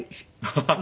ハハハ！